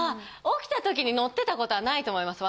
起きた時に乗ってた事はないと思います。